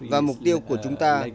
và mục tiêu của chúng ta